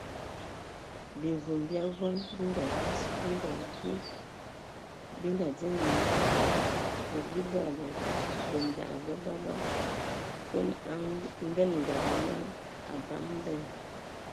Bimvum bi avɔŋ bi ngavus, bi ngawu, bi ngadzɛ mimbaŋ və bi baala bə ndaləga baba(kon angəngab nẏɔl, abam bɛ).